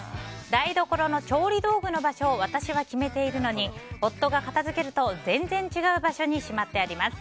台所の調理道具の場所を私は決めているのに夫が片づけると全然違う場所にしまってあります。